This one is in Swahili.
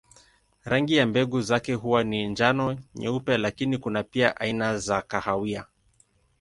Rangi ya mbegu zake huwa ni njano, nyeupe lakini kuna pia aina za kahawia.